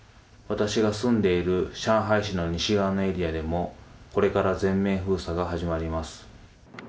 私が住んでいる上海市の西側のエリアでもこれから全面封鎖が始まります。